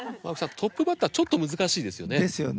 トップバッターちょっと難しいですよね。ですよね。